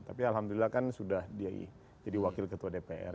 tapi alhamdulillah kan sudah dia jadi wakil ketua dpr